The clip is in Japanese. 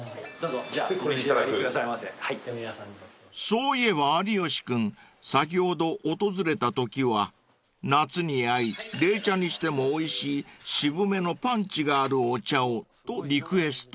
［そういえば有吉君先ほど訪れたときは夏に合い冷茶にしてもおいしい渋めのパンチがあるお茶をとリクエスト］